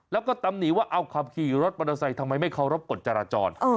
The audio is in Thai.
แล้วก็ตำหนิว่าเอาขับขี่รถมอเตอร์ไซค์ทำไมไม่เคารพกฎจราจร